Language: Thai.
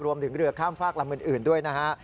รวมถึงเรือข้ามฝากลำอื่นด้วยนะฮะ